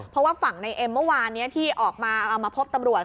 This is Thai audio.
เพราะว่าฝั่งในเอ็มเมื่อวานนี้ที่ออกมามาพบตำรวจ